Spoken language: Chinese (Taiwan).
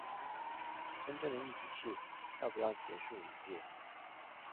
真正的議題是要不要結束營業